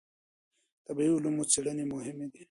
د طبعي علومو څېړنې مهمې دي.